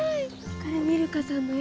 これミルカさんの絵ですか？